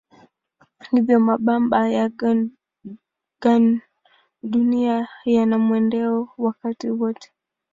Hivyo mabamba ya gandunia yana mwendo wakati wote.